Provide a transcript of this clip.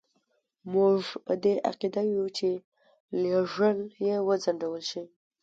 موږ په دې عقیده یو چې لېږل یې وځنډول شي.